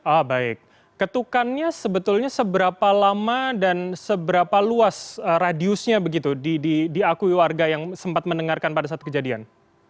ah baik ketukannya sebetulnya seberapa lama dan seberapa luas radiusnya begitu diakui warga yang sempat mendengarkan pada saat kejadian